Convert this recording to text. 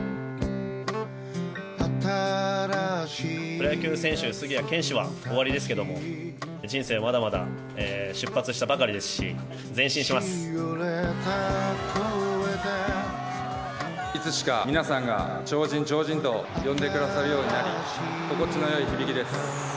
プロ野球選手の杉谷拳士は終わりですけども、人生はまだまだ出発したばかりですし、いつしか、皆さんが超人、超人と呼んでくださるようになり心地のよい響きです。